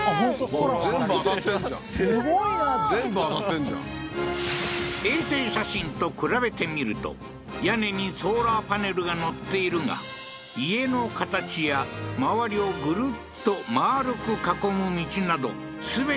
ソーラーも全部当たってんじゃんすごいな全部当たってんじゃん衛星写真と比べてみると屋根にソーラーパネルが載っているが家の形や周りをグルッと丸く囲む道など全て一致